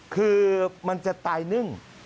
คือมันจะตายนึ่ง